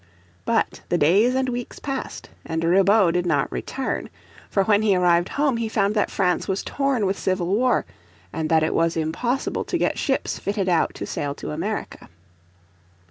But the days and weeks passed and Ribaut did not return. For when he arrived home he found that France was torn with civil war, and that it was impossible to get ships fitted out to sail to America.